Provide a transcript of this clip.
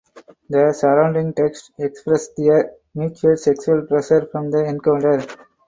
The surrounding text express their mutual sexual pleasure from the encounter.